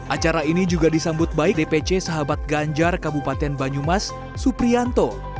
acara ini juga disambut baik dpc sahabat ganjar kabupaten banyumas suprianto